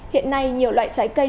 hiện nay nhiều loại trái cây